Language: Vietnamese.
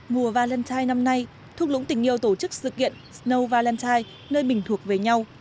mùa valentine năm nay thuốc lũng tình yêu tổ chức sự kiện snow valentine nơi mình thuộc về nhau